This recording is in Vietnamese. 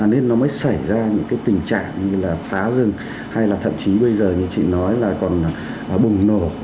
nên nó mới xảy ra những cái tình trạng như là phá rừng hay là thậm chí bây giờ như chị nói là còn bùng nổ